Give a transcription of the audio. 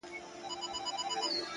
هره لاسته راوړنه د صبر نښه لري،